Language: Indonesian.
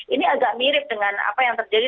ini agak mirip dengan apa yang terjadi